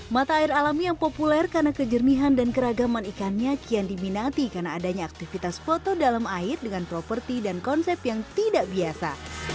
mata air alami yang populer karena kejernihan dan keragaman ikannya kian diminati karena adanya aktivitas foto dalam air dengan properti dan konsep yang tidak biasa